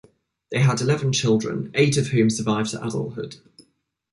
They had eleven children, eight of whom survived to adulthood.